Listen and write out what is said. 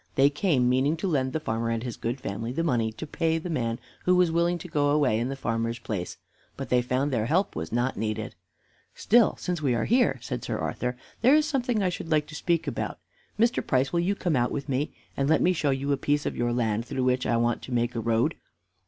They came meaning to lend the farmer and his good family the money to pay the man who was willing to go away in the farmer's place. But they found their help was not needed. "Still, since we are here," said Sir Arthur, "there is something I should like to speak about. Mr. Price, will you come out with me, and let me show you a piece of your land through which I want to make a road.